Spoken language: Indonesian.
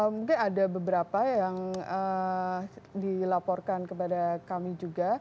mungkin ada beberapa yang dilaporkan kepada kami juga